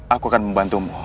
aku akan membantumu